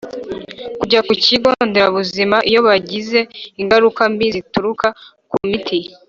Kujya ku kigo nderabuzima iyo bagize ingaruka mbi zituruka ku miti